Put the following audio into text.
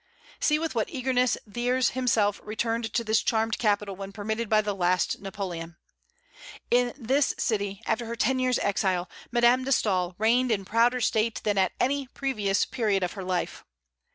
See with what eagerness Thiers himself returned to this charmed capital when permitted by the last Napoleon! In this city, after her ten years' exile, Madame de Staël reigned in prouder state than at any previous period of her life.